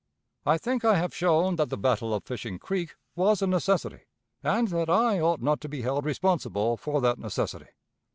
I think I have shown that the battle of Fishing Creek was a necessity, and that I ought not to be held responsible for that necessity.